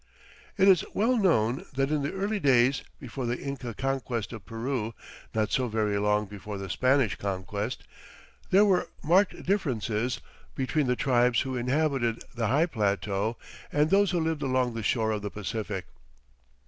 It is well known that in the early days before the Inca conquest of Peru, not so very long before the Spanish Conquest, there were marked differences between the tribes who inhabited the high plateau and those who lived along the shore of the Pacific.